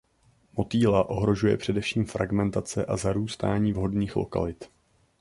Motýla ohrožuje především fragmentace a zarůstání vhodných lokalit.